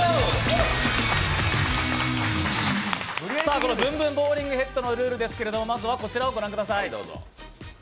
このブンブンボウリングヘッドのルールですがまずはこちらをご覧ください。